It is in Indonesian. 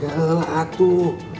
ya elah atuh